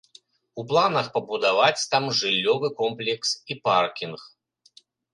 У планах пабудаваць там жыллёвы комплекс і паркінг.